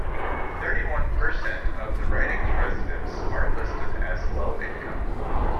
Thirty-one per cent of the riding's residents are listed as low income.